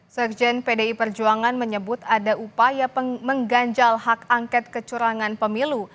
sekjen pdi perjuangan menyebut ada upaya mengganjal hak angket kecurangan pemilu